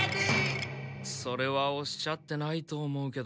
それはおっしゃってないと思うけど。